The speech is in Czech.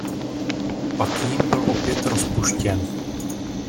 Pak jím byl opět rozpuštěn.